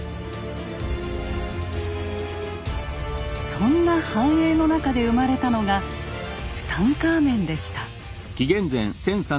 そんな繁栄の中で生まれたのがツタンカーメンでした。